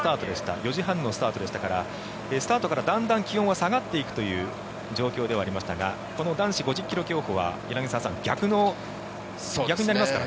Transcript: ４時半のスタートでしたからスタートからだんだん気温が下がっていくという状況でしたがこの男子５０ｋｍ競歩は柳澤さん、逆になりますからね。